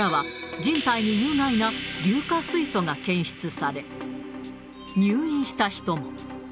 現場からは人体に有害な硫化水素が検出され、入院した人も。